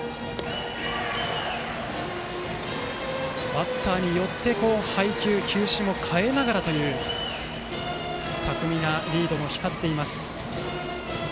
バッターによって配球、球種も変えながらという巧みなリードも光っています。